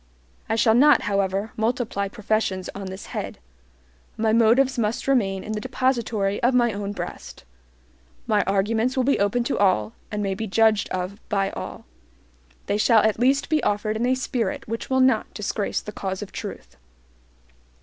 I shall not, however, multiply professions on this head. My motives must remain in the depository of my own breast. My arguments will be open to all, and may be judged of by all. They shall at least be offered in a spirit which will not disgrace the cause of truth.